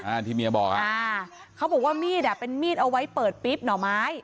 อ่าที่เมียบอกอ่าเขาบอกว่ามีดอ่ะเป็นมีดเอาไว้เปิดปิ๊บหน่อไม้